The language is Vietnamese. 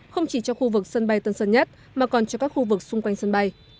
không chỉ cho khu vực sân bay tân sơn nhất mà còn cho các khu vực xung quanh sân bay